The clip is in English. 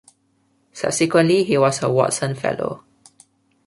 Subsequently, he was a Watson Fellow.